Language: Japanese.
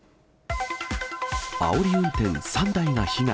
あおり運転３台が被害。